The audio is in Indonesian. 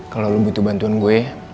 kalau lo butuh bantuan gue